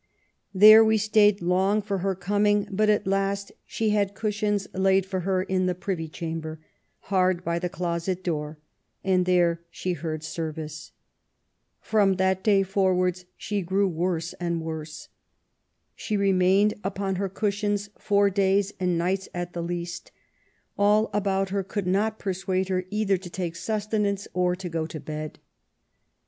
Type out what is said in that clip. There we stayed long for her coming ; but, at last, she had cushions laid for her in the Privy Chamber, hard by the closet door, and there she heard service. From that day forwards she grew worse and worse. She remained upon her cushions four days and nights at the least. All about her could not persuade her either to take sustenance or go to bed."